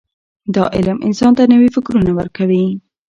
دا علم انسان ته نوي فکرونه ورکوي.